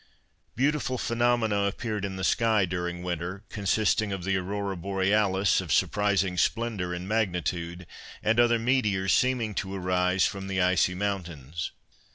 Beautiful phenomena appeared in the sky during winter, consisting of the Aurora Borealis, of surprising splendour and magnitude, and other meteors seeming to arise from the icy mountains.